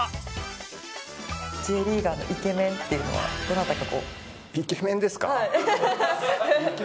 Ｊリーガーのイケメンっていうのはどなたか。